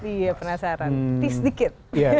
iya penasaran sedikit